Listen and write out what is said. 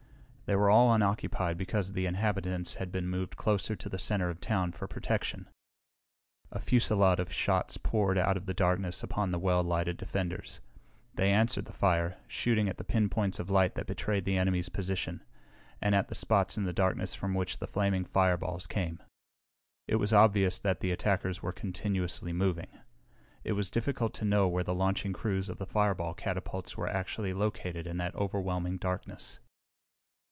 They were all unoccupied because the inhabitants had been moved closer to the center of town for protection. A fusillade of shots poured out of the darkness upon the well lighted defenders. They answered the fire, shooting at the pinpoints of light that betrayed the enemy's position, and at the spots in the darkness from which the flaming fireballs came. It was obvious that the attackers were continuously moving. It was difficult to know where the launching crews of the fireball catapults were actually located in that overwhelming darkness.